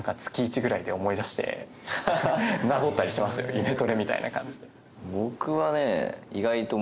イメトレみたいな感じで。